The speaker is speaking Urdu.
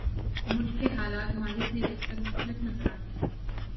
ملک کے حالات ماضی سے یکسر مختلف نظر آتے ہیں۔